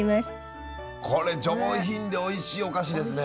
これ上品でおいしいお菓子ですね。